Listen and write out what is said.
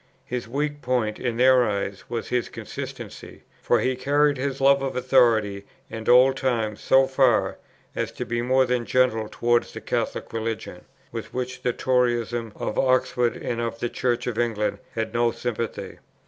His weak point, in their eyes, was his consistency; for he carried his love of authority and old times so far, as to be more than gentle towards the Catholic Religion, with which the Toryism of Oxford and of the Church of England had no sympathy.